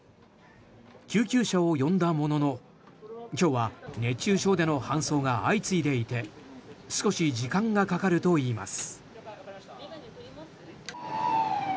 救急車を呼んだものの今日は熱中症での搬送が相次いでいて少し時間がかかるといいます。